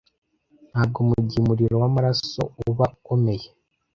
Ntabwo mugihe umuriro wamaraso uba ukomeye,